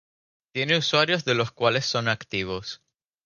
Tiene usuarios, de los cuales son activos.